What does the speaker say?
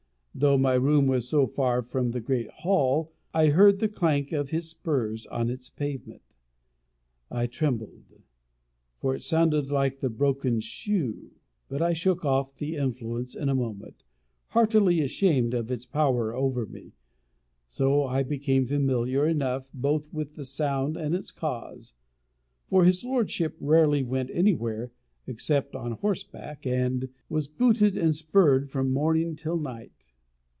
Though my room was so far from the great hall, I heard the clank of his spurs on its pavement. I trembled; for it sounded like the broken shoe. But I shook off the influence in a moment, heartily ashamed of its power over me. Soon I became familiar enough both with the sound and its cause; for his lordship rarely went anywhere except on horseback, and was booted and spurred from morning till night.